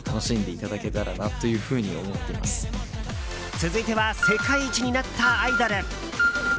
続いては世界一になった「アイドル」。